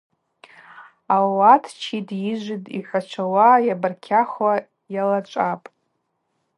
Ауат читӏ, йыжвитӏ, йхӏвачвауа, йабаркьахвуа йалачӏвапӏ.